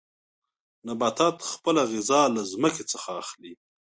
نباتات خپله غذا له ځمکې څخه اخلي.